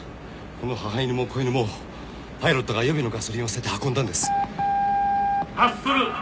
この母犬も子犬もパイロットが予備のガソリンを捨てて運んだんです発する！